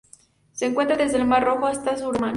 Se encuentra desde el Mar Rojo hasta el sur de Omán.